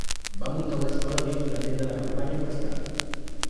Va muntar una escola dins una tenda de campanya prestada.